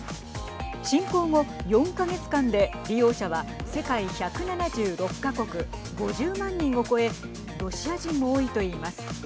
侵攻後４か月間で利用者は世界１７６か国５０万人を超えロシア人も多いといいます。